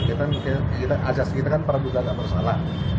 kita mungkin asas kita kan perbu kata bersalah